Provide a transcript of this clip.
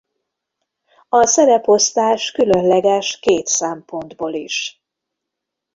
A szereposztás különleges két szempontból is.